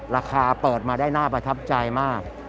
ราคาเปิดมาได้น่าประทับใจมาก